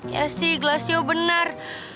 ya sih gelasio benar